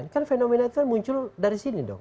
kan fenomena itu kan muncul dari sini dong